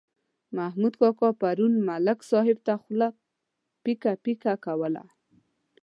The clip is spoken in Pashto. محمود کاکا پرون ملک صاحب ته خوله پیکه پیکه کوله.